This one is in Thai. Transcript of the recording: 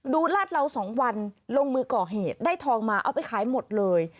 ลาดเหลา๒วันลงมือก่อเหตุได้ทองมาเอาไปขายหมดเลย